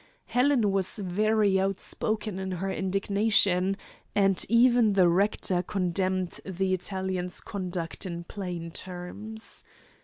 Helen was very outspoken in her indignation, and even the rector condemned the Italian's conduct in plain terms.